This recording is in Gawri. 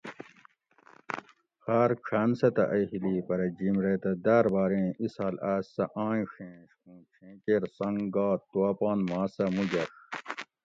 خار ڄھان سہ تہ ائی ہیلی پرہ جھیم ریتہ دار باریں اِسال آس سہ آئیں ڛینش اوں چھیں کیر سنگ گات تو اپان ما سہ مو گڛ